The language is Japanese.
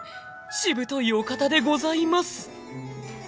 ［しぶといお方でございます］